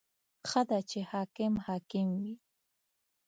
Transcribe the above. • ښه ده چې حاکم حاکم وي.